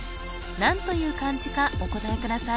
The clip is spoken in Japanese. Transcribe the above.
何という漢字かお答えください